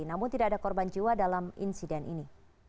namun tidak ada korban jiwa dalam insiden ini